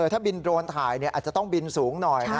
ถ้าบินโดรนถ่ายอาจจะต้องบินสูงหน่อยนะ